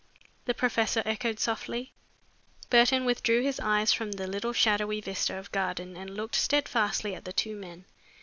the professor echoed softly. Burton withdrew his eyes from the little shadowy vista of garden and looked steadfastly at the two men.